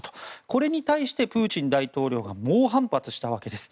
これに対してプーチン大統領が猛反発したわけです。